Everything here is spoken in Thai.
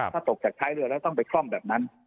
ถ้าตกจากท้ายเรือแล้วต้องไปคล่องแบบนั้น